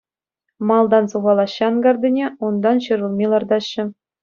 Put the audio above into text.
Малтан сухалаҫҫӗ анкартине, унтан ҫӗр улми лартаҫҫӗ.